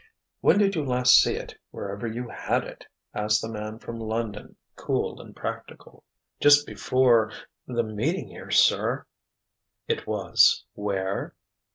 "When did you last see it, wherever you had it?" asked the man from London, cool and practical. "Just before—the meeting here, sir!" "It was—where?"